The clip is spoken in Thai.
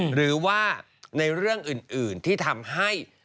หรือว่าในเรื่องอื่นที่ทำให้